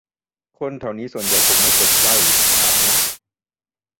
คนแถวนี้ส่วนใหญ่คงไม่พ้นไพร่หรือทาสฮะ